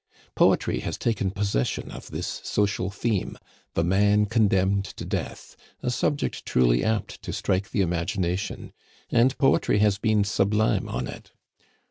Poetry has taken possession of this social theme, "the man condemned to death" a subject truly apt to strike the imagination! And poetry has been sublime on it.